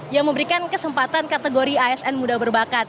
yang memberikan kesempatan kategori asn muda berbakat